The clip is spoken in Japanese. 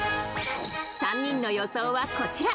３人の予想はこちら